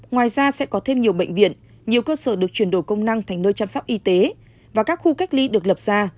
ngoài ra sẽ có thêm nhiều bệnh viện nhiều cơ sở được chuyển đổi công năng thành nơi chăm sóc y tế và các khu cách ly được lập ra